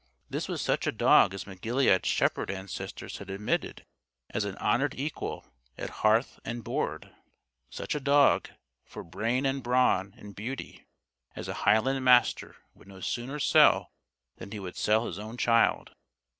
This was such a dog as McGilead's shepherd ancestors had admitted as an honored equal, at hearth and board such a dog, for brain and brawn and beauty, as a Highland master would no sooner sell than he would sell his own child.